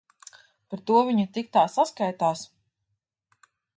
Par to viņa tik tā saskaitās.